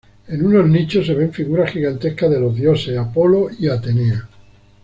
En unos nichos se ven figuras gigantescas de los dioses Apolo y Atenea.